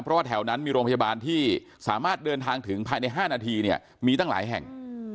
เพราะว่าแถวนั้นมีโรงพยาบาลที่สามารถเดินทางถึงภายใน๕นาทีเนี่ยมีตั้งหลายแห่ง